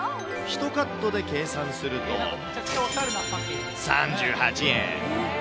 １カットで計算すると、３８円。